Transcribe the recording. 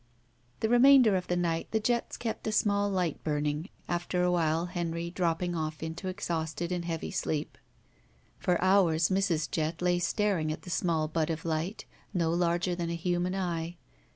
The remainder of the night the Jetts kept a 198 GUILTY small light burning, after a while Henry dropping off into exhausted and heavy sleep. For hours Mrs. Jett lay staring at the srnall bud of light, no larger than a human eye.